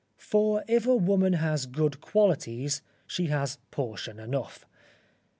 For if a woman has good qualities, she has portion enough.